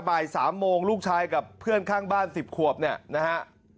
บ่าย๓โมงลูกชายกับเพื่อนข้างบ้าน๑๐ขวบเนี่ยนะฮะ